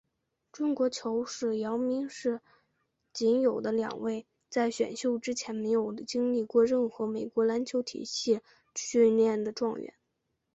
中国球员姚明是仅有的两位在选秀之前没有经历过任何美国篮球体系训练的状元。